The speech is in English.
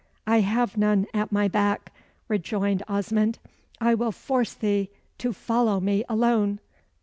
"I have none at my back," rejoined Osmond; "I will force thee to follow me alone!"